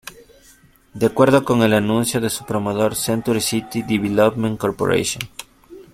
De acuerdo con el anuncio de su promotor, Century City Development Corporation.